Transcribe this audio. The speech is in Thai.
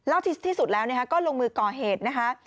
แล้วที่สุดแล้วก็ลงมือก่อเหตุนะคะ